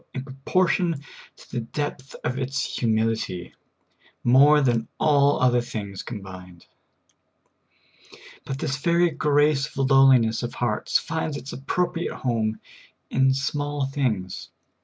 in proportion to the depth of its humility more than all other things combined ; but this very grace of lowli ness of heart finds its appropriate home in small things.